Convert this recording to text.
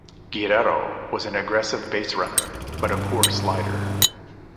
Guerrero was an aggressive baserunner but a poor slider.